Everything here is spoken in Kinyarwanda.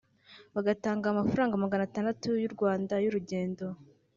bagatanga amafaranga magana atandatu y’u Rwanda y’urugendo